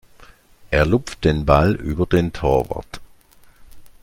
Er lupft den Ball über den Torwart.